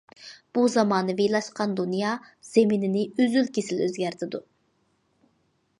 بۇ زامانىۋىلاشقان دۇنيا زېمىنىنى ئۈزۈل- كېسىل ئۆزگەرتىدۇ.